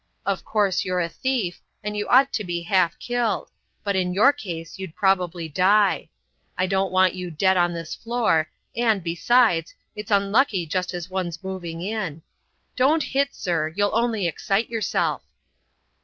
"Of course you're a thief, and you ought to be half killed, but in your case you'd probably die. I don't want you dead on this floor, and, besides, it's unlucky just as one's moving in. Don't hit, sir; you'll only excite yourself."